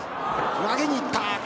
投げにいった。